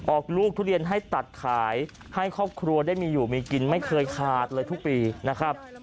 ออกลูกทุเรียนให้ตัดขายให้ครอบครัวได้มีอยู่มีกินไม่เคยขาดเลยทุกปีนะครับ